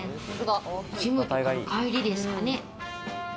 ジムとかの帰りですかね？